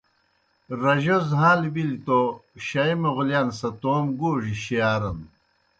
رجو زھاݩل بِلیْ توْ شائے مُغلِیان سہ تومہ گوڙیْ شِیارن